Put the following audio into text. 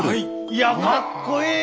いやかっこいい！